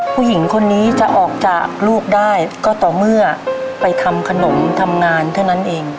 ผู้หญิงคนนี้จะออกจากลูกได้ก็ต่อเมื่อไปทำขนมทำงานเท่านั้นเอง